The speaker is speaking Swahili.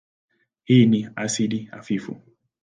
Hii ni asidi hafifu.